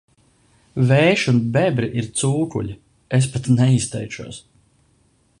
Vējš un bebri ir cūkuļi, es pat neizteikšos...